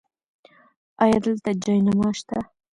ایا دلته جای نماز شته؟